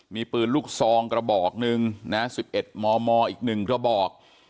มีปืนลูกซองกระบอกหนึ่งนะ๑๑มมอีก๑กระบอก